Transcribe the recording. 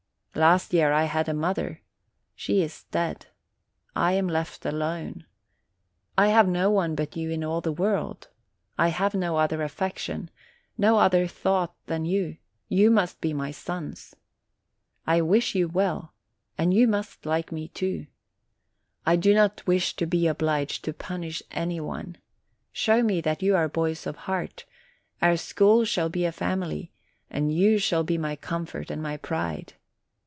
Last year I had a mother; she is dead. I am left alone. I have no one but you in all the world ; I have no other affection, no other thought than you : you must be my sons. I wish you well, and you must like me too. I do not wish to be obliged to punish any one. Show me that you are boys of heart : our school shall be a family, and you shall be my comfort and my pride.